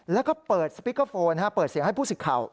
แล้วก็เปิดสปิกเกอร์โฟนเปิดเสียงให้ผู้สิทธิ์ข่าว